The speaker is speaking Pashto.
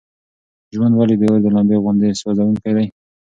ژوند ولې د اور د لمبې غوندې سوزونکی دی؟